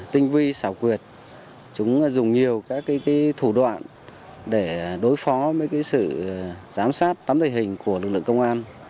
tinh vi xảo quyệt chúng dùng nhiều các thủ đoạn để đối phó với sự giám sát tấm thể hình của lực lượng công an